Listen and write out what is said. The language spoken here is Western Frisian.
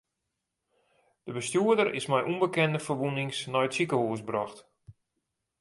De bestjoerder is mei ûnbekende ferwûnings nei it sikehûs brocht.